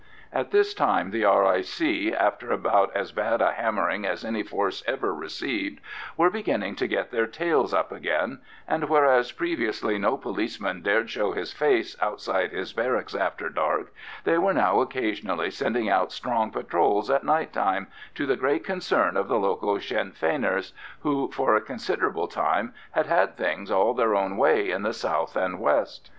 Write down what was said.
At this time the R.I.C., after about as bad a hammering as any force ever received, were beginning to get their tails up again; and whereas previously no policeman dared show his face outside his barracks after dark, they were now occasionally sending out strong patrols at night time, to the great concern of the local Sinn Feiners, who for a considerable time had had things all their own way in the south and west.